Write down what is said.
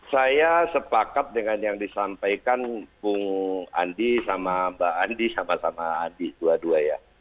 saya sepakat dengan yang disampaikan bung andi sama mbak andi sama sama andi dua dua ya